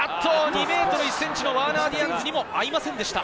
２ｍ１ｃｍのワーナー・ディアンズにも合いませんでした。